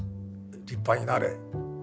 立派になれ！